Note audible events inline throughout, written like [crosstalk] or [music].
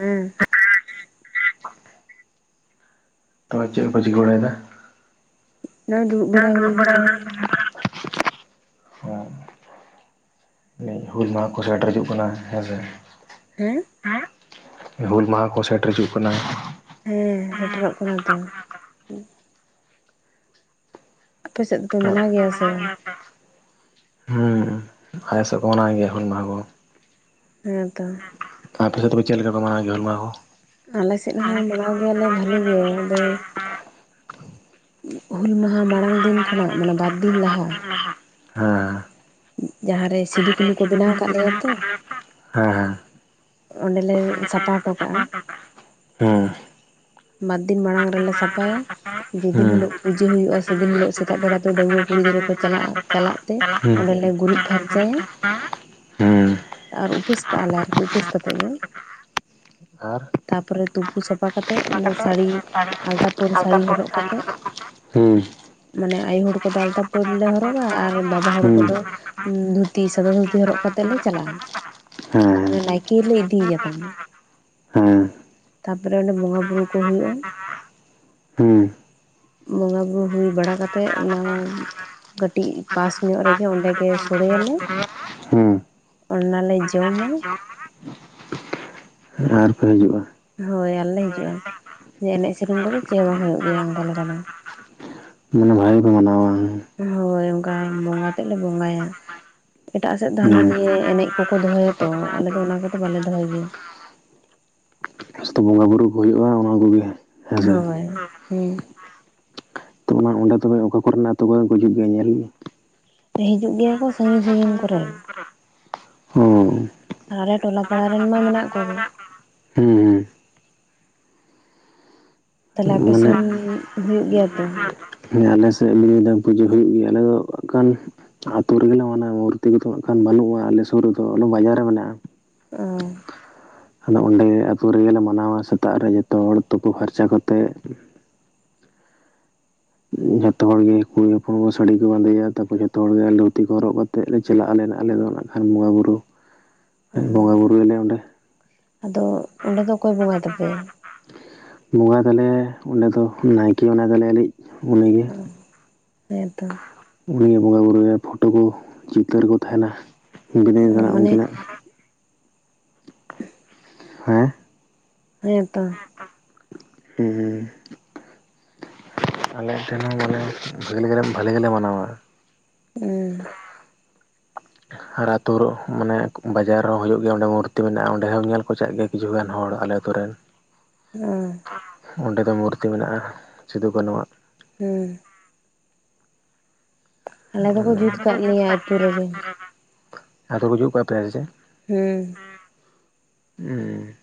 ᱦᱩᱸ ᱛᱚ ᱪᱮᱫ ᱠᱚᱯᱮ ᱪᱤᱠᱟᱹ ᱵᱟᱲᱟᱭ ᱫᱟ ᱱᱚᱜᱼᱚᱭ ᱫᱩᱸᱲᱩᱵ ᱵᱟᱲᱟ ᱦᱩᱭ ᱠᱟᱱᱟ᱾ ᱦᱩᱞ ᱢᱟᱦᱟ ᱠᱚ ᱥᱮᱴᱮᱨ ᱦᱤᱡᱩᱜ ᱠᱟᱱᱟ ᱦᱮᱸ ᱥᱮ ᱦᱮᱸ ᱦᱩᱞ ᱢᱟᱦᱟ ᱠᱚ ᱥᱮᱴᱮᱨ ᱦᱤᱡᱩᱜ ᱠᱟᱱᱟ ᱦᱮᱸ ᱥᱮᱴᱮᱨᱚᱜ ᱠᱟᱱᱟ ᱛᱚ᱾ ᱟᱯᱮ ᱥᱮᱫ ᱫᱚᱯᱮ ᱟᱨ ᱢᱟᱱᱟᱣ ᱜᱮᱭᱟ ᱥᱮ ᱵᱟᱝ? ᱦᱩᱸ ᱟᱞᱮ ᱥᱮᱫ ᱠᱚ ᱢᱟᱱᱟᱣ ᱜᱮᱭᱟ ᱦᱩᱞ ᱢᱟᱦᱟ ᱠᱚ ᱦᱮᱸᱛᱚ ᱟᱯᱮᱥᱮᱫ ᱫᱚ ᱪᱮᱫ ᱞᱮᱠᱟ ᱠᱚ ᱢᱟᱱᱟᱣ ᱜᱮᱭᱟ ᱦᱩᱞ ᱢᱟᱦᱟ ᱠᱚ? ᱟᱞᱮ ᱥᱮᱫ ᱦᱚᱸ ᱢᱟᱱᱟᱣ ᱜᱮᱭᱟᱞᱮ ᱵᱷᱟᱹᱞᱤ ᱜᱮ ᱟᱫᱚ ᱦᱩᱞ ᱢᱟᱦᱟ ᱢᱟᱲᱟᱝ ᱫᱤᱱ ᱠᱷᱚᱱᱟᱜ ᱢᱟᱱᱮ ᱵᱟᱨ ᱫᱤᱱ ᱞᱟᱦᱟ ᱦᱮᱸ ᱡᱟᱦᱟ ᱨᱮ ᱥᱤᱸᱫᱩ ᱠᱟᱹᱱᱩ ᱠᱚ ᱵᱮᱱᱟᱣ ᱟᱠᱟᱫ ᱞᱮᱭᱟ ᱛᱚ᱾ ᱦᱮᱸ ᱦᱮᱸ ᱚᱸᱰᱮ ᱞᱮ ᱥᱟᱯᱟ ᱦᱚᱴᱚ ᱠᱟᱜᱼᱟ᱾ ᱦᱮᱸ ᱵᱟᱨ ᱫᱤᱱ ᱢᱟᱲᱟᱝ ᱨᱮᱞᱮ ᱥᱟᱯᱟᱭᱟ ᱡᱮᱫᱤᱱ ᱦᱩᱸ ᱦᱤᱞᱳᱜ ᱯᱩᱡᱟᱹ ᱦᱩᱭᱩᱜᱼᱟ ᱥᱮᱫᱤᱱ ᱦᱤᱞᱳᱜ ᱥᱮᱸᱛᱟᱜ ᱵᱮᱸᱲᱟ ᱫᱚ ᱰᱟᱹᱝᱜᱩᱣᱟᱹ ᱠᱩᱸᱲᱤ ᱜᱤᱽᱨᱟᱹ ᱠᱚ ᱪᱟᱞᱟᱜᱼᱟ ᱪᱟᱞᱟᱜ ᱛᱮ ᱦᱩᱸ ᱚᱸᱰᱮ ᱞᱮ ᱜᱩᱨᱤᱡᱽ [unintelligible] ᱟᱨ ᱩᱯᱟᱹᱥ ᱠᱟᱜᱼᱟ ᱞᱮ ᱟᱨᱠᱤ ᱩᱯᱟᱹᱥ ᱠᱟᱛᱮᱫ ᱜᱮ ᱟᱨ ᱛᱟᱯᱚᱨᱮ ᱛᱩᱯᱩ ᱥᱟᱯᱷᱟ ᱠᱟᱛᱮᱫ ᱥᱟᱹᱲᱤ ᱟᱞᱛᱟ ᱯᱟᱹᱲ ᱥᱟᱹᱲᱤ ᱦᱚᱨᱚᱜ ᱠᱟᱛᱮᱜ ᱦᱩᱸ ᱢᱟᱱᱮ ᱟᱸᱭᱩ ᱦᱚᱲ ᱠᱚᱫᱚ ᱟᱞᱛᱟ ᱯᱟᱹᱲᱞᱮ ᱦᱚᱨᱚᱜᱟ ᱟᱨ ᱵᱟᱵᱟ ᱦᱚᱲ ᱦᱩᱸ ᱠᱚᱫᱚ ᱫᱷᱩᱸᱛᱤ ᱥᱟᱫᱟ ᱫᱷᱩᱸᱛᱤ ᱦᱚᱨᱚᱜ ᱠᱟᱛᱮᱜ ᱞᱮ ᱪᱟᱞᱟᱜᱼᱟ ᱦᱮᱸ ᱱᱟᱸᱭᱠᱮ ᱞᱮ ᱤᱫᱤᱭᱮᱭᱟ ᱛᱟᱦᱮᱸ ᱦᱮᱸ ᱛᱟᱯᱚᱨᱮ ᱚᱸᱰᱮ ᱵᱚᱸᱜᱟ ᱵᱩᱨᱩ ᱠᱚ ᱦᱩᱭᱩᱜᱼᱟ ᱦᱩᱸ ᱵᱚᱸᱜᱟ ᱵᱩᱨᱩ ᱦᱩᱭ ᱵᱟᱲᱟ ᱠᱛᱮᱫ ᱚᱱᱟ ᱠᱟᱹᱴᱤᱡ ᱯᱟᱥ ᱧᱚᱜ ᱨᱮᱜᱮ ᱚᱸᱰᱮᱜᱮ ᱥᱳᱸᱲᱮᱭᱟᱞᱮ ᱚᱱᱟᱞᱮ ᱡᱚᱢᱟ ᱦᱩᱸ ᱟᱨ ᱠᱚ ᱦᱤᱡᱩᱜᱼᱟ ᱦᱳᱭ ᱟᱨᱞᱮ ᱦᱤᱡᱩᱜᱼᱟ ᱮᱸᱱᱮᱡ ᱥᱮᱸᱨᱮᱧ ᱠᱚᱫᱚ ᱪᱮᱫ ᱵᱟᱝ ᱦᱩᱭᱩᱜ ᱜᱮᱭᱟ ᱚᱱᱠᱟ ᱞᱮᱠᱟ ᱫᱚ ᱢᱟᱱᱮ ᱵᱷᱟᱹᱜᱤ ᱠᱚ ᱢᱟᱱᱟᱣᱟ ᱦᱳᱭ ᱚᱱᱠᱟ ᱵᱚᱸᱜᱟ ᱛᱮᱫ ᱞᱮ ᱵᱚᱸᱜᱟᱭᱟ ᱮᱸᱴᱟᱜ ᱥᱮᱫ ᱫᱚ ᱦᱟᱱᱟ ᱱᱤᱭᱟᱹ ᱮᱸᱱᱮᱡ ᱠᱚᱠᱚ ᱫᱚᱦᱚᱭᱟᱛᱚ ᱟᱞᱮ ᱫᱚ ᱚᱱᱟ ᱠᱚᱫᱚ ᱵᱟᱞᱮ ᱫᱚᱦᱚᱭ ᱜᱮᱭᱟ ᱡᱷᱚᱛᱚ ᱵᱚᱸᱜᱟ ᱵᱩᱨᱩ ᱦᱩᱭᱩᱜᱼᱟ ᱚᱱᱟ ᱠᱚᱜᱮ ᱦᱮᱸᱥᱮ ᱦᱳᱭ ᱦᱩᱸ ᱛᱚ ᱚᱱᱟ ᱚᱸᱰᱮ ᱛᱚᱵᱮ ᱚᱠᱟ ᱠᱚᱨᱮᱱ ᱟᱹᱛᱩ ᱠᱚᱨᱮᱱ ᱠᱚ ᱦᱤᱡᱩᱜ ᱜᱮᱭᱟ ᱧᱮᱞ? ᱦᱤᱡᱩᱜ ᱜᱮᱭᱟ ᱠᱚ ᱥᱟᱺᱜᱤᱧ ᱥᱟᱺᱜᱤᱧ ᱠᱚᱨᱮᱱ ᱦᱩᱸ ᱟᱞᱮ ᱴᱚᱞᱟ ᱯᱟᱲᱟ ᱨᱮᱱ ᱢᱟ ᱢᱮᱱᱟᱜ ᱠᱚᱜᱮ ᱦᱩᱸᱻ ᱛᱟᱦᱟᱞᱮ ᱦᱮᱸ ᱢᱟᱱᱮ ᱟᱯᱮᱥᱮᱱ ᱦᱳᱭᱳᱜ ᱜᱮᱭᱟ ᱛᱚ? ᱟᱞᱮᱥᱮᱫ ᱱᱤᱭᱟᱹ ᱫᱚ ᱯᱩᱡᱟᱹ ᱦᱩᱭᱩᱜ ᱜᱮᱭᱟ ᱟᱞᱮ ᱫᱚ ᱠᱟᱞ ᱟᱹᱛᱳ ᱨᱮᱜᱮᱞᱮ ᱢᱟᱱᱟᱣ ᱢᱩᱨᱛᱤ ᱠᱚᱫᱚ ᱦᱟᱸᱜ ᱵᱟᱹᱱᱩᱜᱼᱟ ᱟᱞᱮ ᱥᱩᱨ ᱨᱮᱫᱚ ᱟᱞᱮ ᱵᱟᱡᱟᱨ ᱨᱮ ᱢᱮᱱᱟᱜᱼᱟ ᱟ ᱟᱫᱚ ᱚᱸᱰᱮ ᱟᱛᱳ ᱨᱮᱜᱮᱞᱮ ᱢᱟᱱᱟᱣᱟ ᱥᱮᱛᱟᱜ ᱨᱮ ᱡᱚᱛᱚ ᱦᱚᱲ ᱛᱳᱯᱩ ᱯᱷᱟᱨᱪᱟ ᱠᱟᱛᱮᱫ ᱡᱷᱚᱛᱚ ᱦᱚᱲ ᱜᱮ ᱠᱩᱲᱤ ᱦᱚᱯᱚᱱ ᱠᱚ ᱥᱟᱹᱲᱤ ᱠᱚ ᱵᱟᱸᱫᱮᱭᱟ ᱛᱟᱨᱯᱚᱨ ᱡᱷᱚᱛᱚ ᱦᱚᱲ ᱜᱮ ᱫᱷᱩᱛᱤ ᱠᱚ ᱦᱚᱨᱚᱜ ᱠᱟᱜ ᱮᱛᱮᱫ ᱞᱮ ᱪᱟᱞᱟᱜᱼᱟ ᱟᱞᱮ ᱟᱞᱮ ᱫᱚ ᱱᱟᱜ ᱠᱷᱟᱱ ᱵᱚᱸᱜᱟᱼ ᱵᱩᱨᱩ ᱵᱚᱸᱜᱟ ᱵᱩᱨᱩᱭᱟᱞᱮ ᱚᱸᱰᱮ ᱦᱩᱸ ᱟᱫᱚ ᱚᱸᱰᱮ ᱫᱚ ᱚᱠᱚᱭ ᱵᱚᱸᱜᱟᱭ ᱛᱟᱯᱮᱭᱟ ᱵᱚᱸᱜᱟᱭ ᱛᱟᱞᱮᱭᱟ ᱚᱸᱰᱮ ᱫᱚ ᱱᱟᱭᱠᱮ ᱵᱚᱸᱜᱟᱭ ᱛᱟᱞᱮᱭ ᱞᱮᱤᱡ ᱩᱱᱤ ᱜᱮ ᱚ ᱦᱮᱸᱛᱚ ᱩᱱᱤᱜᱮ ᱵᱚᱸᱜᱟᱼ ᱵᱩᱨᱩᱭᱟ ᱯᱷᱳᱴᱳ ᱠᱚ ᱪᱤᱛᱟᱹᱨ ᱠᱚ ᱛᱟᱦᱮᱱᱟ ᱵᱤᱫᱩ ᱪᱟᱱᱫᱟᱱ ᱢᱟᱱᱮ ᱩᱱᱠᱤᱱᱟᱜ ᱦᱮᱸ ᱦᱮᱸ ᱛᱚ ᱦᱮᱸ ᱦᱮᱸ ᱟᱞᱮ ᱴᱷᱮᱱ ᱦᱚᱸ ᱢᱟᱱᱮ ᱵᱷᱮᱞᱮ ᱜᱮ ᱵᱷᱟᱹᱞᱤ ᱜᱮᱞᱮ ᱢᱟᱱᱟᱣᱟ ᱦᱩᱸ ᱟᱨ ᱟᱹᱛᱩ ᱨᱚ ᱢᱟᱱᱮ ᱵᱟᱡᱟᱨ ᱨᱮᱦᱚᱸ ᱦᱩᱭᱩᱜ ᱜᱮᱭᱟ ᱚᱸᱰᱮ ᱢᱩᱨᱛᱤ ᱢᱮᱱᱟᱜᱼᱟ ᱚᱸᱰᱮ ᱦᱚᱸ ᱧᱮᱞ ᱠᱚ ᱪᱟᱜ ᱜᱮ ᱠᱤᱪᱷᱩ ᱜᱟᱱ ᱦᱚᱲ ᱟᱞᱮ ᱟᱛᱳ ᱨᱮᱱ ᱦᱩᱸ ᱚᱸᱰᱮ ᱫᱚ ᱢᱩᱨᱛᱤ ᱢᱮᱱᱟᱜᱼᱟ ᱥᱤᱫᱩᱼᱠᱟᱹᱱᱩᱣᱟᱜ ᱦᱩᱸ ᱟᱞᱮ ᱫᱚᱠᱚ ᱡᱩᱛ ᱠᱟᱜ ᱞᱮᱭᱟ ᱟᱹᱛᱩ ᱨᱮᱜᱮ ᱟᱫᱚ ᱠᱚ ᱡᱩᱜ ᱠᱟ ᱯᱮ ᱥᱮ ᱪᱮ ᱦᱩᱸ ᱦᱩᱸ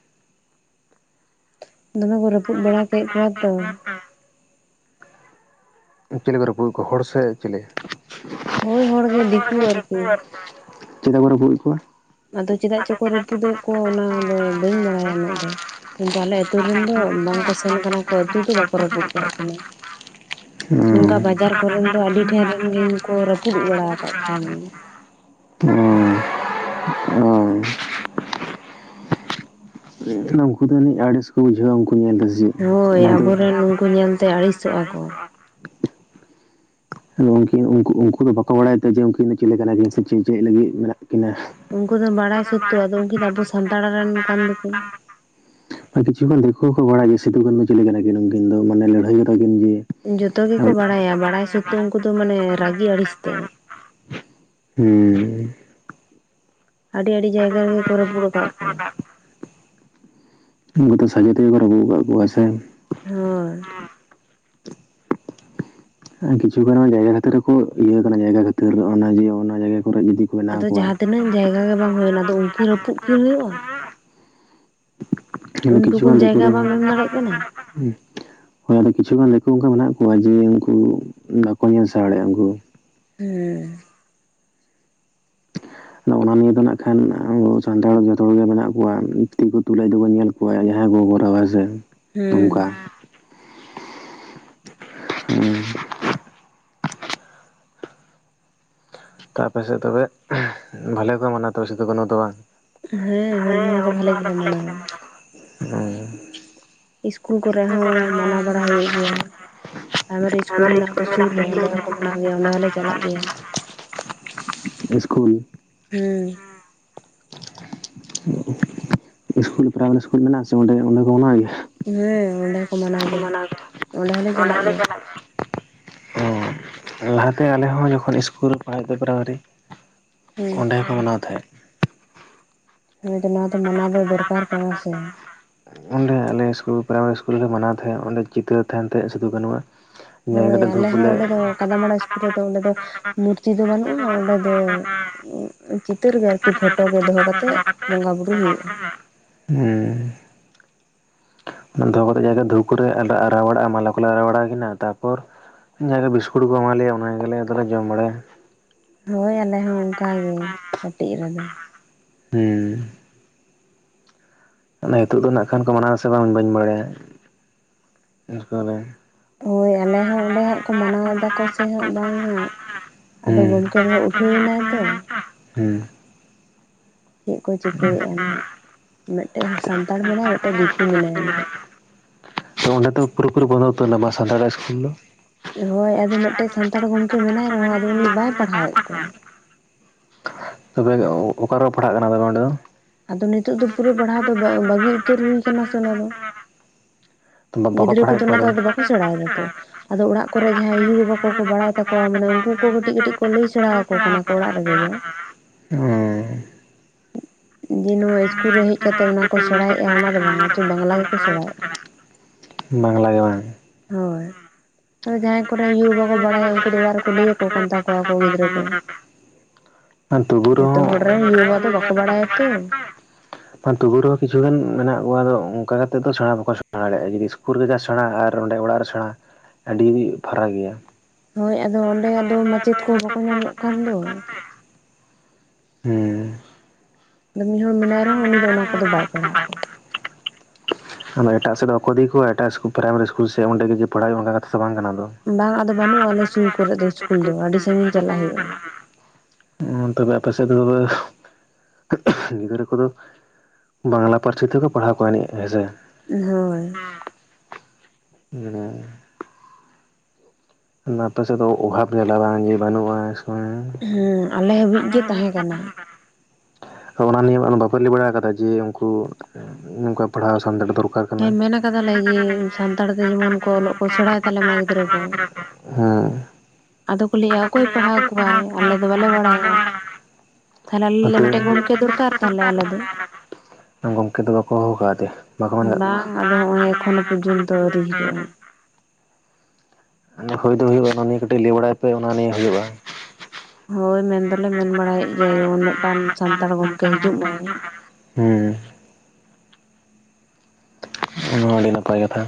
ᱫᱚᱢᱮ ᱠᱚ ᱨᱟᱹᱯᱩᱫ ᱵᱟᱲᱟ ᱠᱮᱫ ᱠᱚᱣᱟ ᱛᱚ ᱪᱤᱞᱮ ᱠᱚ ᱨᱟᱹᱯᱩᱫᱮᱫ ᱠᱚᱣᱟ ᱦᱚᱲ ᱥᱮ ᱪᱤᱞᱤ ᱦᱳᱭ ᱦᱚᱲ ᱜᱮ ᱫᱤᱠᱩ ᱟᱨᱠᱤ ᱪᱮᱞᱮ ᱠᱚ ᱨᱟᱯᱩᱫ ᱠᱚᱣᱟ ᱟᱫᱚ ᱪᱮᱫᱟᱜ ᱪᱚᱠᱚ ᱨᱟᱹᱯᱩᱫ ᱠᱚᱣᱟ ᱚᱱᱟᱫᱚ ᱵᱟᱹᱧ ᱵᱟᱲᱟᱭᱟ ᱩᱱᱟᱹᱜ ᱫᱚ ᱠᱤᱱᱛᱩ ᱟᱞᱮ ᱟᱹᱛᱩ ᱨᱮᱱ ᱫᱚ ᱵᱟᱝᱠᱚ ᱥᱮᱱ ᱠᱟᱱᱟ ᱠᱚ ᱟᱹᱛᱩ ᱫᱚ ᱵᱟᱠᱚ ᱨᱟᱹᱯᱩᱫ ᱠᱟᱜ ᱛᱟᱞᱮᱭᱟ ᱱᱚᱝᱠᱟ ᱵᱟᱡᱟᱨ ᱠᱚᱨᱮᱱ ᱫᱚ ᱟᱹᱰᱤ ᱴᱷᱮᱨ ᱨᱮᱱ ᱜᱮ ᱠᱚ ᱨᱟᱹᱯᱩᱫ ᱵᱟᱲᱟ ᱠᱟᱜ ᱠᱚᱣᱟ ᱢᱮ ᱚᱭ ᱦᱳᱭ ᱩᱱᱠᱩ ᱫᱚ ᱟᱹᱲᱤᱥ ᱠᱚ ᱵᱩᱡᱷᱟᱹᱣᱟ ᱩᱱᱠᱩ ᱧᱮᱞ ᱫᱚ ᱦᱳᱭ ᱟᱵᱚᱨᱮᱱ ᱩᱱᱠᱩ ᱧᱮᱞᱛᱮ ᱟᱹᱲᱤᱥᱚᱜᱼᱟ ᱠᱚ ᱟᱫᱚ ᱩᱱᱠ ᱩᱱᱠᱩ ᱫᱚ ᱵᱟᱠᱚ ᱵᱟᱲᱟᱭ ᱫᱟ ᱡᱮ ᱩᱱᱠᱤᱱ ᱫᱚ ᱪᱮᱞᱮ ᱠᱟᱱᱟ ᱥᱮ ᱪᱮᱫ ᱞᱟᱹᱜᱤᱫ ᱢᱮᱱᱟᱜ ᱠᱤᱱᱟ ᱩᱱᱠᱩ ᱫᱚ ᱵᱟᱲᱟᱭ ᱥᱚᱛᱳ ᱟᱫᱚ ᱩᱱᱠᱤᱱ ᱫᱚ ᱟᱵᱚ ᱥᱟᱱᱛᱟᱲ ᱨᱮᱱ ᱠᱟᱱ ᱫᱚᱠᱤᱱ ᱠᱤᱪᱷᱩ ᱜᱟᱱ ᱫᱤᱠᱩ ᱦᱚᱸ ᱠᱚ ᱵᱟᱭᱟ ᱡᱮ ᱥᱤᱫᱼ ᱠᱟᱹᱱᱩ ᱪᱤᱞᱤ ᱠᱟᱱᱟ ᱠᱤᱱ ᱩᱱᱠᱤᱱ ᱫᱚ ᱢᱟᱱᱮ ᱞᱟᱹᱲᱦᱟᱹᱭ ᱠᱟᱫᱟᱠᱤᱱ ᱡᱮ ᱡᱚᱛᱚ ᱜᱮᱠᱚ ᱦᱩᱸ ᱵᱟᱲᱟᱭᱟ ᱵᱟᱲᱟᱭ ᱥᱩᱛᱩ ᱩᱱᱠᱩ ᱫᱚ ᱢᱟᱱᱮ ᱨᱟᱹᱜᱤ ᱟᱹᱲᱤᱥ ᱛᱮ ᱦᱩᱸ ᱟᱹᱰᱤ ᱟᱹᱰᱤ ᱡᱟᱭᱜᱟ ᱨᱮᱜᱮ ᱠᱚ ᱨᱟᱹᱯᱩᱫ ᱠᱟᱜ ᱠᱚᱣᱟ ᱩᱱᱠᱩ ᱫᱚ ᱥᱟᱡᱮ ᱛᱮᱜᱮ ᱠᱚ ᱟᱹᱯᱩᱫ ᱠᱟᱜ ᱠᱚᱣᱟ ᱥᱮ ᱦᱳᱭ ᱠᱤᱪᱷᱩᱜᱟᱱ ᱡᱟᱭᱜᱟ ᱠᱷᱟᱹᱛᱤᱨ ᱨᱮᱠᱚ ᱤᱭᱟᱹ ᱠᱟᱱᱟ ᱡᱟᱭᱜᱟ ᱠᱷᱟᱹᱛᱤᱨ ᱡᱮ ᱚᱱᱟ ᱡᱟᱭᱜᱟ ᱠᱚᱨᱮ ᱡᱩᱫᱤ ᱠᱚ ᱵᱮᱱᱟᱣ ᱟᱫᱚ ᱠᱚᱣᱟ ᱡᱟᱦᱟᱸ ᱛᱤᱱᱟᱹᱜ ᱡᱟᱭᱜᱟ ᱜᱮ ᱵᱟᱝ ᱦᱩᱭᱱᱟ ᱟᱫᱚ ᱩᱱᱠᱤᱱ ᱨᱟᱹᱯᱩᱫ ᱠᱤᱱ ᱦᱩᱭᱩᱜᱼᱟ ᱩᱱ ᱠᱤᱪᱷᱩ ᱜᱟᱱ ᱴᱩᱠᱩᱱ ᱫᱤᱠᱩ ᱡᱟᱭᱜᱟ ᱫᱚ ᱵᱟᱢ ᱮᱢ ᱫᱟᱲᱮᱜ ᱠᱟᱱᱟ᱾ ᱦᱳᱭ ᱟᱫᱚ ᱠᱤᱪᱷᱩᱜᱟᱱ ᱫᱤᱠᱩ ᱚᱱᱠᱟ ᱢᱮᱱᱟᱜ ᱠᱚᱣᱟ ᱡᱮ ᱩᱱᱠᱩ ᱵᱟᱠᱚ ᱧᱮᱞ ᱥᱟᱦᱟᱫᱟᱲᱮᱭᱼᱟ ᱩᱱᱠᱩ ᱦᱮᱸ ᱟᱫᱚ ᱚᱱᱟ ᱱᱤᱭᱟᱹ ᱫᱚ ᱱᱟᱜ ᱠᱷᱟᱱ ᱟᱚ ᱥᱟᱱᱛᱟᱲ ᱡᱚᱛᱚ ᱦᱚᱲᱮ ᱢᱮᱱᱟᱜ ᱠᱚᱣᱟ ᱫᱤᱠᱩ ᱛᱩᱞᱟᱹᱡ ᱫᱚᱵᱚᱱ ᱧᱮᱞ ᱠᱚᱣᱟ ᱡᱟᱦᱟᱸ ᱠᱚ ᱠᱚᱨᱟᱣ ᱦᱮᱸ ᱥᱮ ᱚᱱᱠᱟ ᱦᱮᱸ ᱦᱩᱸ ᱛᱟᱯᱟᱥᱮ ᱛᱚᱵᱮ ᱵᱷᱟᱞᱮ ᱠᱚ ᱢᱟᱱᱟᱣᱼᱟ ᱛᱚᱵᱮ ᱥᱤᱫᱩ ᱠᱱᱳ ᱫᱚ ᱵᱟᱝ ᱦᱮᱸ ᱦᱩᱞ ᱢᱟᱦᱟ ᱫᱚ ᱵᱷᱟᱞᱤ ᱜᱮᱞᱮ ᱢᱟᱱᱟᱣᱼᱟ ᱦᱮᱸ ᱤᱥᱠᱩᱞ ᱠᱚᱨᱮ ᱦᱚᱸ ᱢᱟᱱᱟᱣ ᱵᱟᱲᱟ ᱦᱩᱭᱩᱜ ᱜᱮᱭᱟ ᱯᱨᱟᱭᱢᱟᱨᱤ ᱤᱥᱠᱩᱞ ᱢᱮᱱᱟᱜ ᱟᱛᱚ ᱥᱩᱨ ᱨᱮ ᱚᱸᱰᱮ ᱦᱚᱸᱠᱚ ᱢᱮᱱᱟᱜ ᱜᱮᱭᱟ ᱚᱸᱰᱮ ᱦᱚᱞᱮ ᱪᱟᱞᱟᱜ ᱜᱮᱭᱟ᱾ ᱤᱥᱠᱩᱞ ᱦᱩᱸ ᱤᱥᱠᱩᱞ ᱯᱨᱟᱭᱢᱟᱨᱤ ᱤᱥᱠᱩᱞ ᱢᱮᱱᱟᱜ ᱟᱥᱮ ᱚᱸᱰᱮ ᱚᱸᱰᱮ ᱠᱚ ᱢᱮᱱᱟᱜ ᱜᱮᱭᱟ ᱦᱮᱸ ᱚᱸᱰᱮ ᱦᱚᱸᱠᱚ ᱢᱟᱱᱟᱣ ᱜᱮᱭᱟ ᱚᱸᱰᱮ ᱦᱚᱞᱮ ᱪᱟᱞᱟᱜ ᱜᱮᱭᱟ᱾ ᱚ ᱞᱟᱦᱟᱛᱮ ᱟᱞᱮᱦ ᱡᱚᱠᱷᱚᱱ ᱤᱥᱠᱩᱞ ᱨᱮ ᱯᱟᱲᱦᱟᱜ ᱯᱨᱟᱭᱢᱟᱨᱤ ᱦᱩᱸ ᱚᱸᱰᱮ ᱦᱚᱠᱚ ᱢᱟᱱᱟᱣ ᱛᱟᱦᱮᱸᱫ ᱦᱮᱸᱛᱚ ᱱᱚᱣᱟ ᱫᱚ ᱢᱟᱱᱟᱣ ᱫᱚ [unintelligible] ᱠᱟᱱᱟ ᱫᱚᱨᱠᱟᱨ ᱥᱮ᱾ ᱠᱟᱱᱟᱥᱮ ᱚᱸᱰᱮ ᱟᱞᱮ ᱤᱥᱠᱩᱞ ᱯᱨᱟᱭᱢᱟᱨᱤ ᱤᱥᱠᱩᱞ ᱨᱮᱞᱮ ᱢᱟᱱᱟᱣ ᱛᱟᱦᱮᱸᱫ ᱚᱸᱰᱮ ᱪᱤᱛᱟᱹᱨ ᱛᱟᱦᱮᱱ ᱛᱟᱦᱮᱸᱜ ᱥᱤᱫᱩᱠᱟᱹᱱᱩᱣᱟᱜ ᱧᱮᱞ ᱠᱟᱛᱮ ᱫᱷᱩᱯ ᱠᱚᱞᱮ ᱠᱟᱫᱟᱢᱵᱟᱲᱟ ᱤᱥᱠᱩᱞ ᱨᱮᱫᱚ ᱚᱸᱰᱮ ᱫᱚ ᱢᱩᱨᱛᱤ ᱫᱚ ᱵᱟᱹᱱᱩᱜᱼᱟ ᱚᱸᱰᱮ ᱫᱚ ᱪᱤᱛᱟᱹᱨ ᱜᱮ ᱟᱨᱠᱤ ᱯᱷᱳᱴᱚᱜ ᱜᱮ ᱫᱚᱦᱚ ᱠᱟᱛᱮᱜ ᱵᱚᱸᱜᱟ ᱵᱩᱨᱩ ᱦᱩᱭᱩᱜᱼᱟ᱾ ᱦᱮᱸ ᱫᱚᱦᱚ ᱠᱟᱛᱮ ᱡᱟᱭᱜᱟ ᱫᱷᱩᱵ ᱠᱚᱞᱮ ᱟᱨᱟᱣ ᱵᱟᱲᱟᱜᱼᱟ ᱢᱟᱞᱟ ᱠᱚᱞᱮ ᱟᱨᱟᱣ ᱵᱟᱲᱟ ᱟᱠᱤᱱᱟ ᱛᱟᱨᱯᱚᱨ ᱡᱟᱜᱮ ᱵᱤᱥᱠᱩᱴ ᱠᱚ ᱮᱢᱟᱞᱮᱭᱟ ᱚᱱᱟ ᱜᱮᱞᱮ ᱟᱫᱚᱞᱮ ᱡᱚᱢ ᱵᱟᱲᱟᱭᱟ᱾ ᱦᱳᱭ ᱟᱞᱮ ᱦᱚᱸ ᱚᱱᱠᱟ ᱜᱮᱮ ᱠᱟᱹᱴᱤᱡ ᱨᱮᱫᱚ᱾ ᱦᱮᱸ ᱛᱟᱦᱞᱮ ᱱᱤᱛᱚᱜ ᱫᱚ ᱱᱟᱸᱜ ᱠᱷᱟᱱ ᱠᱚ ᱢᱟᱱᱟᱣᱟ ᱥᱮ ᱵᱟᱝ ᱵᱟᱹᱧ ᱵᱟᱲᱟᱭᱟ ᱦᱳᱭ ᱟᱞᱮ ᱦᱚᱸ ᱚᱸᱰᱮ ᱦᱟᱜ ᱠᱚ ᱢᱟᱱᱟᱣ ᱮᱫᱟ ᱠᱚ ᱥᱮ ᱦᱟᱸᱜ ᱵᱟᱝ ᱦᱟᱸᱜ ᱟᱫᱚ ᱜᱚᱢᱠᱮ ᱫᱚ ᱩᱴᱷᱟᱹᱣ ᱮᱱᱟᱭ ᱛᱚ ᱦᱮᱸ ᱪᱮᱫ ᱠᱚ ᱪᱤᱠᱟᱹᱭᱮᱫᱼᱟ ᱱᱟᱜ ᱢᱤᱫᱴᱮᱱ ᱦᱚᱸ ᱥᱟᱱᱛᱟᱲ ᱢᱮᱱᱟᱭᱟ ᱢᱤᱫᱴᱮᱱ ᱫᱤᱠᱩ ᱢᱮᱱᱟᱭᱟ ᱱᱟᱦᱟᱜ ᱛᱚ ᱚᱸᱰᱮ ᱛᱚ ᱯᱩᱨᱟᱹ ᱯᱩᱨᱤ ᱵᱚᱱᱫᱚ ᱩᱛᱟᱹᱨᱱᱟ ᱵᱟᱝ ᱥᱟᱱᱛᱟᱲ ᱟᱜ ᱤᱥᱠᱩᱞ ᱫᱚ ᱦᱳᱭ ᱟᱫᱚ ᱢᱤᱫᱴᱮᱱ ᱥᱟᱱᱛᱟᱲ ᱜᱚᱢᱠᱮ ᱢᱮᱱᱟᱭ ᱨᱮᱦᱚᱸ ᱟᱫᱚ ᱩᱱᱤ ᱵᱟᱭ ᱯᱟᱲᱦᱟᱣᱮᱫ ᱠᱚᱣᱟ᱾ ᱛᱚᱵᱮ ᱠᱷᱟᱡ ᱚᱠᱟᱨᱮᱠᱚ ᱯᱟᱲᱦᱟᱜ ᱠᱟᱱᱟ ᱛᱚᱵᱮ ᱚᱸᱰᱮ ᱫᱚ ᱟᱫᱚ ᱱᱤᱛᱚᱜ ᱫᱚ ᱯᱩᱨᱟᱹ ᱯᱟᱲᱦᱟᱣ ᱫᱚ ᱵᱟᱹᱜᱤ ᱩᱛᱟᱹᱨ ᱦᱩᱭ ᱟᱠᱟᱱᱟ ᱥᱮ ᱚᱱᱟ ᱫᱚ ᱫᱚ ᱵᱟᱠᱚ ᱜᱤᱫᱽᱨᱟᱹ ᱯᱟᱲᱦᱟᱣᱮᱫ ᱠᱚᱫᱚ ᱠᱚᱣᱟ ᱚᱱᱟᱫᱚ ᱫᱚ ᱛᱚᱵᱮ ᱟᱫᱚ ᱵᱟᱠᱚ ᱥᱮᱬᱟᱭᱮᱫᱟ ᱛᱚ ᱟᱫᱚ ᱚᱲᱟᱜ ᱠᱚᱨᱮ ᱡᱟᱦᱟᱸᱭ ᱟᱭᱩ ᱵᱟᱵᱟ ᱠᱚᱠᱚ ᱵᱟᱲᱟᱭ ᱛᱟᱠᱚᱣᱟ ᱢᱟᱱᱮ ᱩᱱᱠᱩ ᱠᱚ ᱠᱟᱹᱴᱤᱡ ᱠᱟᱹᱴᱤᱡ ᱠᱚ ᱞᱟᱹᱭ ᱥᱮᱬᱟ ᱟᱠᱚ ᱠᱟᱱᱟ ᱠᱚ ᱚᱲᱟᱜ ᱨᱮᱜᱮ᱾ ᱚ ᱡᱮ ᱱᱚᱣᱟ ᱤᱥᱠᱩᱞ ᱨᱮ ᱦᱮᱡ ᱠᱟᱛᱮ ᱚᱱᱟ ᱠᱚ ᱥᱮᱬᱟᱭᱮᱫᱼᱟ ᱚᱱᱟ ᱫᱚ ᱵᱟᱝᱟ ᱛᱚ ᱵᱟᱝᱞᱟ ᱜᱮᱠᱚ ᱥᱮᱬᱟᱭᱮᱫᱼᱟ [unintelligible] ᱵᱟᱝᱞᱟ ᱜᱮ ᱵᱟᱝ ᱦᱳᱭ ᱟᱫᱚ ᱡᱟᱦᱟᱸᱭ ᱠᱚᱨᱮᱱ ᱟᱭᱩ ᱵᱟᱵᱟ ᱠᱚ ᱵᱟᱲᱟᱭᱟ ᱩᱱᱠᱩ ᱫᱚ ᱚᱲᱟᱜ ᱨᱮᱠᱚ ᱞᱟᱹᱭ ᱟᱠᱚ ᱠᱟᱱ ᱛᱟᱠᱚᱣᱟ ᱜᱤᱫᱽᱨᱟᱹ ᱠᱚ ᱛᱩᱵᱩ ᱡᱚᱛᱚ ᱦᱚᱲ ᱨᱮᱦᱚᱸ ᱨᱮᱱ ᱟᱭᱩ ᱵᱟᱵᱟ ᱫᱚ ᱵᱟᱠᱚ ᱵᱟᱲᱟᱭᱟ ᱛᱚ ᱵᱟᱝ ᱛᱩᱵᱩ ᱨᱮᱦᱚᱸ ᱠᱤᱪᱷᱩᱩᱜᱟᱱ ᱢᱮᱱᱟᱜ ᱠᱚᱣᱟ ᱛᱚ ᱚᱱᱠᱟ ᱠᱟᱛᱮᱫ ᱫᱚ ᱥᱮᱬᱟ ᱵᱟᱠᱚ ᱥᱮᱬᱟ ᱫᱟᱲᱮᱭᱟᱜᱼᱟ ᱡᱩᱫᱤ ᱤᱥᱠ ᱠᱩᱞ ᱨᱮ ᱡᱟᱦᱟ ᱥᱮᱬᱟ ᱟᱨ ᱚᱸᱰᱮ ᱚᱲᱟᱜ ᱨᱮ ᱥᱮᱬᱟ ᱟᱹᱰᱤ ᱯᱷᱟᱨᱟᱠ ᱜᱮᱭᱟ᱾ ᱦᱳᱭ ᱟᱫᱚ ᱚᱸᱰᱮ ᱟᱫᱚ ᱢᱟᱪᱮᱫ ᱠᱚ ᱵᱟᱠᱚ ᱧᱟᱢᱚᱜ ᱠᱟᱱ ᱫᱚ᱾ ᱦᱮᱸ ᱟᱫᱚ ᱢᱤᱫ ᱦᱚᱲ ᱢᱮᱱᱟᱭ ᱨᱮᱦᱚᱸ ᱩᱱᱤ ᱫᱚ ᱚᱱᱟ ᱠᱚᱫᱚ ᱵᱟᱭ ᱯᱟᱲᱦᱟᱣᱼᱟ ᱦᱟᱱᱟ ᱮᱴᱟᱜ ᱥᱮᱫ ᱫᱚ ᱵᱟᱠᱚ ᱤᱫᱤ ᱠᱚᱭᱟ ᱮᱴᱟᱜ ᱤᱥᱠᱩᱞ ᱯᱨᱟᱭᱢᱟᱨᱤ ᱤᱥᱩᱞ ᱥᱮ ᱚᱸᱰᱮ ᱜᱮ ᱡᱮ ᱯᱟᱲᱦᱟᱣ ᱮᱢ ᱚᱱᱠᱟᱱ ᱠᱟᱛᱷᱟ ᱫᱚ ᱵᱟᱝ ᱠᱟᱱᱟ ᱫᱚ᱾ ᱵᱟᱝ ᱟᱫᱚ ᱵᱟᱱᱩᱜ-ᱟ ᱟᱞᱮ ᱥᱩᱨ ᱠᱚᱨᱮᱫ ᱫᱚ ᱤᱥᱠᱩᱞ ᱫᱚ ᱟᱰᱤ ᱥᱟᱹᱜᱤᱧ ᱪᱟᱞᱟᱜ ᱦᱩᱭᱩᱜ-ᱟ ᱦᱚᱸ ᱛᱚᱵᱮ ᱟᱯᱮ ᱥᱮᱫ ᱛᱚᱵᱮ ᱜᱤᱫᱽᱨᱟᱹ ᱠᱚᱫᱚ ᱵᱟᱝᱞᱟ ᱯᱟᱹᱨᱥᱤ ᱛᱮᱠᱚ ᱯᱟᱲᱦᱟᱣ ᱠᱚᱣᱟ ᱡᱟᱱᱤᱡ ᱦᱮᱸᱥᱮ ᱦᱳᱭ [unintelligible] ᱟᱫᱚ ᱟᱯᱮ ᱥᱮᱫ ᱫᱚ ᱚᱵᱷᱟᱵ ᱡᱟᱞᱟ ᱵᱟᱝ ᱡᱮ ᱵᱟᱹᱱᱩᱜᱼᱟ ᱦᱮᱸ ᱟᱞᱮ ᱦᱟᱹᱵᱤᱡ ᱜᱮ ᱛᱟᱦᱮᱸ ᱠᱟᱱᱟ ᱚᱱᱟ ᱱᱤᱭᱮ ᱵᱟᱯᱮ ᱞᱟᱹᱭ ᱵᱟᱲᱟ ᱟᱠᱟᱫᱟ ᱡᱮ ᱩᱱᱠᱩ ᱱᱚᱝᱠᱟ ᱯᱟᱲᱦᱟᱣ ᱥᱟᱱᱛᱟᱲ ᱫᱚᱨᱠᱟᱨ ᱦᱮᱸ ᱠᱟᱱᱟ ᱢᱮᱱ ᱟᱠᱟᱫᱟᱞᱮ ᱡᱮ ᱥᱟᱱᱛᱟᱲ ᱛᱮ ᱡᱮᱢᱚᱱ ᱠᱚ ᱚᱞᱚᱜ ᱠᱚ ᱥᱮᱬᱟᱭ ᱛᱟᱞᱮ ᱢᱟ ᱜᱤᱫᱽᱨᱟᱹ ᱠᱚ ᱦᱮᱸ ᱟᱫᱚ ᱠᱚ ᱞᱟᱹᱭᱮᱜᱼᱟ ᱚᱠᱚᱭ ᱯᱟᱲᱦᱟᱣ ᱠᱚᱣᱟᱭ ᱟᱞᱮ ᱫᱚ ᱵᱟᱞᱮ ᱵᱟᱲᱟᱭᱟ ᱛᱟᱷᱚᱞᱮ ᱟᱞᱮ ᱟᱯᱮ ᱢᱤᱫᱴᱮᱡ ᱜᱚᱢᱠᱮ ᱫᱚᱨᱠᱟᱨ ᱛᱟᱞᱮ ᱟᱞᱮ ᱫᱚ ᱜᱚᱢᱠᱮ ᱫᱚ ᱵᱟᱠᱚ ᱦᱚᱦᱚ ᱟᱠᱟᱫᱮᱭᱟ ᱵᱟᱝ ᱟᱫᱚ ᱱᱚᱜ-ᱚᱭ ᱮᱠᱷᱚᱱᱚ ᱯᱚᱨᱡᱚᱱᱛᱚ ᱟᱹᱣᱨᱤ ᱦᱤᱡᱩᱜᱼᱟ ᱮ ᱦᱩᱭ ᱫᱚ ᱦᱩᱭᱩᱜᱼᱟ ᱟᱱᱟ ᱱᱤᱭᱮ ᱠᱟᱹᱴᱤᱡ ᱞᱟᱹᱭ ᱵᱟᱲᱟᱭ ᱯᱮ ᱚᱱᱟ ᱱᱤᱭᱮ ᱦᱩᱭᱩᱜᱼᱟ ᱦᱳᱭ ᱢᱮᱱ ᱫᱚᱞᱮ ᱢᱮᱱ ᱵᱟᱲᱟᱭᱮᱫ ᱜᱮᱭᱟ ᱡᱮᱢᱚᱱ ᱢᱤᱫᱴᱟᱝ ᱥᱟᱱᱛᱟᱲ ᱜᱚᱝᱠᱮ ᱦᱤᱡᱩᱜ ᱢᱟᱭ ᱦᱩᱸ ᱚᱱᱟ ᱟᱹᱰᱤ ᱱᱟᱯᱟᱭ ᱠᱟᱛᱷᱟ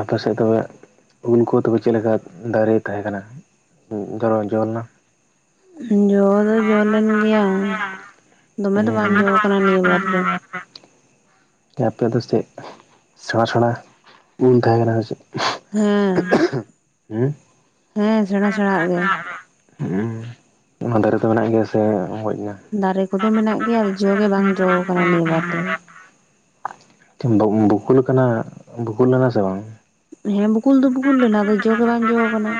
ᱟᱯᱮ ᱥᱮᱫ ᱛᱚᱵᱮ ᱩᱞ ᱠᱚ ᱛᱚᱵᱮ ᱪᱮᱫ ᱞᱮᱠᱟ ᱫᱟᱨᱮ ᱛᱟᱦᱮᱸ ᱠᱟᱱᱟ ᱫᱷᱚᱨᱚ ᱡᱚ ᱞᱮᱱᱟ ᱡᱚ ᱫᱚ ᱡᱚ ᱞᱮᱱ ᱜᱮᱭᱟ ᱫᱚᱢᱮ ᱫᱚ ᱵᱟᱝ ᱡᱚ ᱟᱠᱟᱱᱟ ᱱᱤᱭᱟᱹ ᱵᱟᱨ ᱫᱚ ᱟᱯᱮ ᱫᱚ ᱥᱮᱫ ᱥᱮᱬᱟ ᱥᱮᱬᱟ ᱩᱞ ᱛᱟᱦᱮᱸ ᱠᱟᱱᱟ ᱥᱮ ᱪᱮᱫ ᱦᱮᱸ ᱦᱮᱸ ᱦᱮᱸ ᱥᱮᱬᱟ ᱥᱮᱬᱟ ᱟᱜ ᱜᱮ ᱚ ᱚᱱᱟ ᱫᱟᱨᱮ ᱫᱚ ᱢᱮᱱᱟᱜ ᱜᱮᱭᱟ ᱥᱮ ᱜᱚᱡ ᱮᱱᱟ ᱫᱟᱨᱮ ᱠᱚᱫᱚ ᱢᱮᱱᱟᱜ ᱜᱮᱭᱟ ᱟᱫᱚ ᱡᱚ ᱜᱮ ᱵᱟᱝ ᱡᱚ ᱟᱠᱟᱱᱟ ᱱᱤᱭᱟᱹᱵᱟᱨ ᱫᱚ ᱵᱩᱠᱩᱞ ᱠᱟᱱᱟ ᱵᱩᱠᱩᱞᱱᱟ ᱥᱮ ᱵᱟᱝ ᱦᱮᱸ ᱵᱩᱠᱩᱞ ᱫᱚ ᱵᱩᱠᱩᱞ ᱞᱮᱱᱟ ᱟᱫᱚ ᱡᱚ ᱜᱮ ᱵᱟᱝ ᱡᱚ ᱟᱠᱟᱱᱟ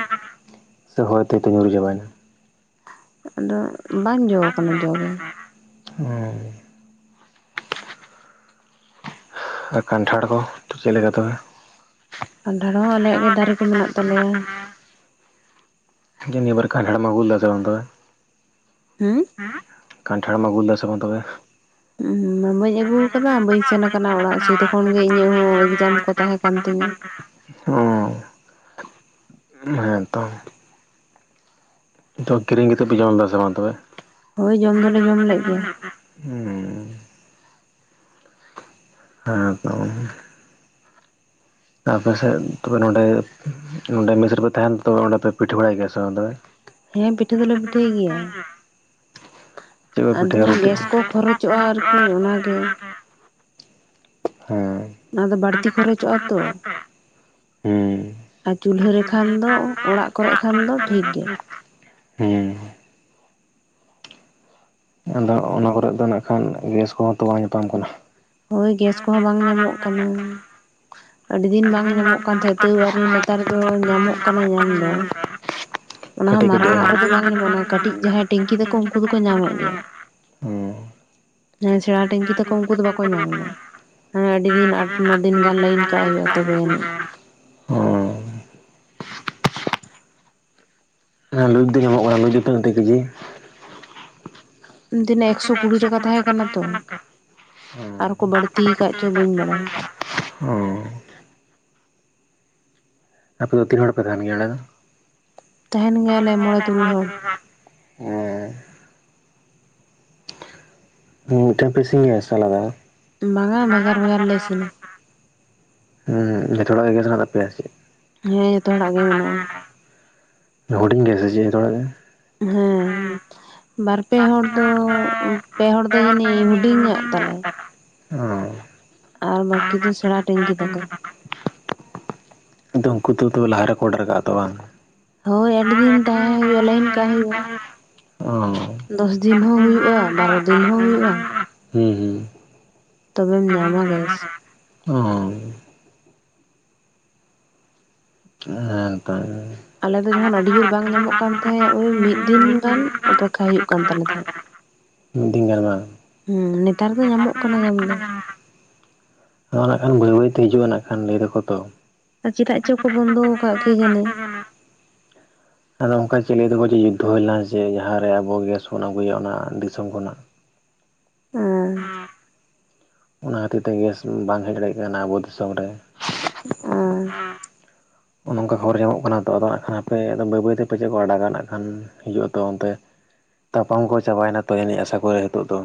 ᱥᱮ ᱦᱚᱭ ᱦᱚᱛᱮᱭ ᱛᱮ ᱧᱩᱨ ᱪᱟᱵᱟᱭᱱᱟ ᱟᱫᱚ ᱵᱟᱝ ᱡᱚ ᱟᱠᱟᱱᱟ ᱡᱚ ᱜᱮ ᱦᱮᱸ ᱟᱨ ᱠᱟᱱᱴᱷᱟᱲ ᱠᱚ ᱛᱚ ᱪᱮᱫ ᱞᱮᱠᱟ ᱛᱚᱵᱮ ᱠᱟᱱᱴᱷᱟᱲ ᱦᱚᱸ ᱟᱞᱮ ᱟᱜ ᱫᱟᱨᱮ ᱫᱚ ᱢᱮᱱᱟᱜ ᱛᱟᱞᱮᱭᱟ ᱱᱤᱭᱟᱹᱵᱟᱨ ᱠᱟᱱᱴᱷᱟᱲ ᱟᱜᱩ ᱞᱮᱫᱟ ᱵᱟᱝ ᱛᱟᱦᱚᱞᱮ ᱦᱩᱸ ᱦᱮᱸ ᱠᱟᱱᱴᱷᱟᱲ ᱟᱜᱩ ᱞᱮᱫᱟ ᱵᱟᱝ ᱛᱟᱦᱚᱞᱮ ᱩ ᱵᱟᱹᱧ ᱟᱹᱜᱩ ᱟᱠᱟᱫᱟ ᱵᱟᱹᱧ ᱥᱮᱱ ᱟᱠᱟᱱᱟ ᱚᱲᱟᱜ ᱥᱮ ᱫᱚ ᱛᱚᱠᱷᱚᱱ ᱜᱮ ᱤᱧᱟᱹᱜ ᱦᱚᱸ ᱮᱠᱡᱟᱢ ᱠᱚ ᱛᱟᱦᱮᱸ ᱠᱟᱱ ᱛᱤᱧᱟᱹ ᱦᱮᱸᱛᱚ ᱱᱤᱛᱚᱜ ᱠᱤᱨᱤᱧ ᱠᱟ ᱠᱟᱛᱮᱫ ᱯᱮ ᱡᱚᱢ ᱞᱮᱫᱟ ᱥᱮ ᱵᱟᱝ ᱛᱚᱵᱮ ᱦᱳᱭ ᱡᱚᱢ ᱫᱚᱞᱮ ᱡᱚᱢ ᱞᱮᱫ ᱜᱮᱭᱟ ᱦᱩᱸ ᱦᱮᱸ ᱛᱚ ᱟᱯᱮᱥᱮᱫ ᱛᱚᱵᱮ ᱱᱚᱸᱰᱮ ᱱᱚᱰᱮ ᱢᱮᱥ ᱨᱮᱯᱮ ᱛᱟᱦᱮᱱᱟ ᱛᱮ ᱚᱸᱰᱮ ᱯᱮ ᱯᱤᱴᱷᱟᱹ ᱵᱟᱲᱟᱭ ᱜᱮᱭᱟ ᱥᱮ ᱵᱟᱝ ᱛᱚᱵᱮ [unintelligible] [unintelligible] ᱦᱮᱸ ᱯᱤᱴᱷᱟᱹ ᱫᱚᱞᱮ ᱯᱤᱴᱷᱟᱹᱭ ᱜᱮᱭᱟ ᱪᱮᱫ ᱯᱮ ᱟᱫᱚ ᱯᱤᱴᱷᱟᱹᱭᱟ ᱨᱩᱴᱤ ᱜᱮᱥ ᱠᱚ ᱠᱷᱚᱨᱚᱪᱚᱜᱼᱟ ᱟᱨᱠᱤ ᱠᱤ ᱚᱱᱟ ᱜᱮ ᱚᱱᱟ ᱫᱚ ᱦᱮᱸ ᱵᱟᱹᱲᱛᱤ ᱵᱟᱨᱛᱤ ᱠᱷᱚᱨᱚᱪᱚᱜᱼᱟ ᱛᱚ ᱠᱷᱚᱨᱪᱚᱜ ᱥᱮ ᱟᱨ ᱪᱩᱞᱦᱟᱹ ᱨᱮᱠᱷᱟᱱ ᱫᱚ ᱚᱲᱟᱜ ᱠᱚᱨᱮ ᱠᱷᱟᱱ ᱫᱚ ᱴᱷᱤᱠ ᱜᱮ ᱦᱮᱸ ᱟᱫᱚ ᱚᱱᱟ ᱠᱚᱨᱜ ᱫᱚ ᱱᱟᱜ ᱠᱷᱟᱱ ᱜᱮᱥ ᱠᱚᱦᱚᱸ ᱛᱚ ᱵᱟᱝ ᱧᱟᱯᱟᱢ ᱠᱟᱱᱟ ᱦᱳᱭ ᱜᱮᱥ ᱠᱚᱦᱚᱸ ᱵᱟᱝ ᱧᱟᱢᱚᱜ ᱠᱟᱱᱟ ᱟᱹᱰᱤ ᱫᱤᱱ ᱵᱟᱝ ᱧᱟᱢᱚᱜ ᱠᱟᱱ ᱛᱟᱦᱮᱸᱜ ᱛ ᱱᱮᱛᱟᱨ ᱫᱚ ᱧᱟᱢᱚᱜ ᱠᱟᱱᱟ ᱧᱟᱢ ᱫᱚ ᱚᱱᱟ ᱦᱚᱸ ᱠᱟᱹᱴᱤᱡ ᱠᱟᱹᱴᱤᱡ ᱢᱟᱨᱟᱝ ᱟᱜ ᱨᱮᱫᱚ ᱵᱟᱝ ᱧᱟᱢᱚᱜᱼᱟ ᱠᱟᱹᱴᱤᱡ ᱟᱱᱟ ᱡᱟᱦᱟᱸᱭ ᱴᱮᱝᱠᱤ ᱛᱟᱠᱚ ᱩᱱᱠᱩ ᱫᱚᱠᱚ ᱧᱟᱢᱮᱫ ᱜᱮᱭᱟ ᱦᱮᱸ ᱦᱮᱸ ᱥᱮᱬᱟ ᱴᱮᱝᱠᱤ ᱛᱟᱠᱚ ᱩᱱᱠᱩ ᱫᱚ ᱵᱟᱠᱚ ᱧᱟᱢ ᱫᱟ ᱦᱮᱸ ᱟᱹᱰᱤ ᱫᱤᱱ ᱟᱴ ᱱᱚ ᱫᱤᱱ ᱜᱟᱱ ᱞᱟᱭᱤᱱ ᱠᱟᱜ ᱦᱩᱭᱩᱜ ᱦᱚᱸ ᱦᱮᱸ ᱞᱩᱪ ᱫᱚ ᱧᱟᱢᱚᱜ ᱠᱟᱱᱟ ᱞᱩᱪ ᱜᱮᱛᱚ ᱢᱤᱫᱴᱮᱜ ᱠᱮᱡᱤ ᱛᱤᱱᱟᱹᱜ ᱮᱠᱥᱚ ᱠᱩᱲᱤ ᱴᱟᱠᱟ ᱛᱟᱦᱮᱸ ᱠᱟᱱᱟ ᱛᱚ ᱟᱨᱠᱚ ᱵᱟᱹᱲᱛᱤ ᱟᱠᱟᱫ ᱪᱚ ᱵᱟᱹᱧ ᱵᱟᱲᱟᱭᱟ ᱚ ᱟᱯᱮ ᱫᱚ ᱛᱤᱱ ᱦᱚᱲ ᱯᱮ ᱛᱟᱦᱮᱱ ᱜᱮᱭᱟ ᱟᱸᱰᱮ ᱫᱚ ᱛᱟᱦᱮᱱ ᱜᱮᱭᱟᱞᱮ ᱢᱚᱬᱮ ᱛᱩᱨᱩᱭ ᱦᱚᱲ [unintelligible] ᱢᱤᱫᱴᱷᱮᱱ ᱯᱮ ᱤᱥᱤᱱ ᱜᱮᱭᱟ ᱥᱮ ᱟᱞᱟᱫᱟ ᱵᱟᱝ-ᱟ ᱵᱷᱮᱜᱟᱨ ᱵᱷᱮᱜᱟᱨ ᱞᱮ ᱤᱥᱤᱱᱟ ᱦᱩᱸ ᱡᱚᱛᱚ ᱦᱚᱲᱟᱜ ᱜᱮ ᱜᱮᱥ ᱢᱮᱱᱟᱜ ᱛᱟᱯᱮᱭᱟ ᱥᱮ ᱪᱮᱫ ᱦᱮᱸ ᱡᱚᱛᱚ ᱦᱚᱲᱟᱜ ᱜᱮ ᱢᱮᱱᱟᱜᱼᱟ᱾ ᱦᱩᱰᱤᱝ ᱜᱮᱥᱮ ᱪᱮᱫ ᱡᱚᱛᱚ ᱦᱚᱲᱟᱜ ᱜᱮ ᱦᱮᱸ ᱵᱟᱨ ᱯᱮ ᱦᱚᱲ ᱫᱚ ᱯᱮ ᱦᱚᱲ ᱫᱚ ᱡᱟᱹᱱᱤᱡ ᱦᱩᱰᱤᱧᱟᱸᱜ ᱛᱟᱞᱮ ᱚ ᱟᱨ ᱵᱟᱠᱤ ᱫᱚ ᱥᱮᱬᱟ ᱴᱮᱝᱠᱤ ᱛᱟᱠᱚ ᱟᱫᱚ ᱩᱱᱠᱩ ᱫᱚ ᱛᱵᱮ ᱞᱟᱦᱟ ᱨᱮᱠᱚ ᱚᱰᱟᱨ ᱠᱟᱜᱼᱟ ᱛᱚ ᱵᱟᱝ ᱦᱳᱭ ᱟᱹᱰᱤ ᱫᱤᱱ ᱛᱟᱦᱮᱸ ᱦᱩᱭᱩᱜᱼᱟ ᱞᱟᱭᱤᱱ ᱠᱟᱜ ᱦᱩᱭᱩᱜᱼᱟ ᱚ ᱫᱚᱥ ᱫᱤᱱ ᱦᱚᱸ ᱦᱩᱭᱩᱜᱼᱟ ᱵᱟᱨᱚ ᱫᱤᱱ ᱦᱚᱸ ᱦᱩᱭᱩᱜᱼᱟ᱾ ᱦᱩᱸ ᱦᱩᱸ ᱛᱚᱵᱮᱢ ᱧᱟᱢᱟ ᱜᱮᱥ ᱚ ᱦᱮᱸ ᱛᱟᱦᱞᱮ ᱟᱞᱮ ᱫᱚ ᱡᱚᱠᱷᱚᱱ ᱟᱹᱰᱤ ᱡᱳᱨ ᱵᱟᱝ ᱧᱟᱢᱚᱜ ᱠᱟᱱ ᱛᱟᱦᱮᱸᱫ ᱳᱭ ᱢᱤᱫ ᱫᱤᱱ ᱜᱟᱱ ᱚᱯᱮᱠᱠᱷᱟ ᱦᱩᱭᱩᱜ ᱠᱟᱱ ᱛᱟᱞᱮ ᱛᱟᱦᱮᱸᱫ ᱢᱤᱫ ᱫᱤᱱ ᱜᱟᱱ ᱵᱟᱝ ᱦᱩᱸ ᱱᱮᱛᱟᱨ ᱫᱚ ᱧᱟᱢᱚᱜ ᱠᱟᱱᱟ ᱧᱟᱢ ᱫᱚ ᱟᱫᱚ ᱱᱟᱜ ᱠᱷᱟᱱ ᱵᱟᱹᱭ ᱵᱟᱹᱭᱛᱮ ᱦᱤᱡᱩᱜᱼᱟ ᱱᱟᱜ ᱠᱷᱟᱱ ᱞᱟᱹᱭ ᱫᱟᱠᱚ ᱛᱚ ᱟᱨ ᱪᱮᱫᱟᱜ ᱪᱚ ᱠᱚ ᱵᱚᱱᱫᱚ ᱟᱠᱟᱫ ᱠᱤᱡᱟᱹᱱᱤ ᱟᱫᱚ ᱚᱱᱠᱟ ᱪᱮᱫ ᱞᱟᱹᱭ ᱫᱟᱠᱚ ᱡᱮ ᱡᱩᱫᱽᱫᱚ ᱦᱩᱭ ᱞᱮᱱᱟ ᱡᱮ ᱡᱟᱦᱟᱸᱨᱮ ᱟᱵᱚ ᱜᱮᱥ ᱵᱚᱱ ᱟᱹᱜᱩᱭᱟ ᱚᱱᱟ ᱫᱤᱥᱚᱢ ᱠᱷᱚᱱᱟᱜ ᱚ ᱚᱱᱟ ᱠᱷᱟᱹᱛᱤᱨ ᱛᱮ ᱜᱮᱥ ᱵᱟᱝ ᱦᱮᱡ ᱫᱟᱲᱮᱭᱟᱜ ᱠᱟᱱᱟ ᱟᱵᱚ ᱫᱤᱥᱚᱢ ᱨᱮ ᱚ ᱱᱚᱝᱠᱟ ᱠᱷᱚᱵᱚᱨ ᱧᱟᱢᱚᱜ ᱠᱟᱱᱟ ᱛᱚ ᱟᱫᱚ ᱦᱟᱸᱜ ᱠᱷᱟᱱ ᱦᱟᱯᱮ ᱵᱟᱹᱭ ᱵᱟᱹᱭᱛᱮ ᱯᱟᱪᱮᱫ ᱠᱚ ᱟᱲᱟᱜᱟ ᱱᱟᱜ ᱠᱷᱟᱱ ᱦᱤᱡᱩᱜ ᱟᱛᱚ ᱚᱱᱛᱮ ᱛᱟᱯᱟᱢ ᱠᱚ ᱪᱟᱵᱟᱭᱮᱱᱟ ᱛᱚ ᱡᱟᱹᱱᱤᱡ ᱟᱥᱟ ᱠᱚᱨᱮ ᱱᱤᱛᱚᱜ ᱫᱚ